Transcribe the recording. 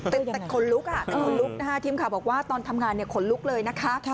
แต่ขนลุกแต่ขนลุกนะคะทีมข่าวบอกว่าตอนทำงานขนลุกเลยนะคะ